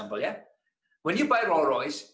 ketika anda membeli rolls royce